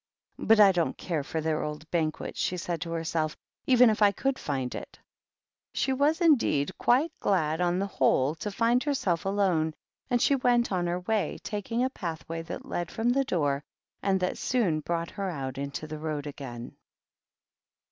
"But I don't care for their old Banquet," she said to herself, "even if I could find it." M 23 266 THE GR£AT OCCASION. She was indeed quite glad, on the whole, tc find herself alone, and she went on her way taking a pathway that led from the door, anc that soon brought her out into the road again.